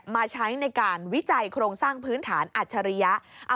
มาใช้ในการวิจัยโครงสร้างพื้นฐานอัจฉริยะ